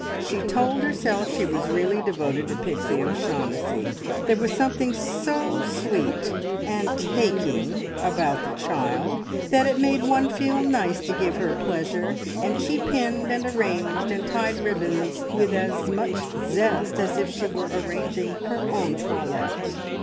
she told herself she was really devoted to Pixie O'Shaughnessy! There was something so sweet and taking about the child that it made one feel nice to give her pleasure, and she pinned, and arranged, and tied ribbons with as much zest as if she were arranging her own toilette.